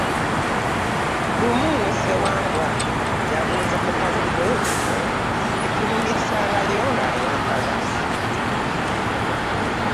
Lumu Ssewambwa yabuuza mukazi we ekimulwisangayo ng'ayambala.